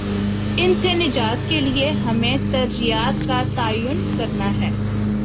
ان سے نجات کے لیے ہمیں ترجیحات کا تعین کرنا ہے۔